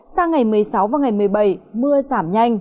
sang ngày một mươi sáu và ngày một mươi bảy mưa giảm nhanh